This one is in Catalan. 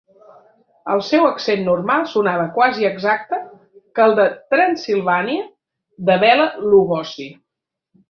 El seu accent normal sonava quasi exacte que el de Transsilvània de Bela Lugosi.